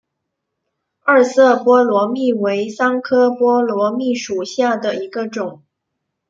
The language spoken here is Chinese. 二色波罗蜜为桑科波罗蜜属下的一个种。